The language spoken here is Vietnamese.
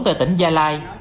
tại tỉnh gia lai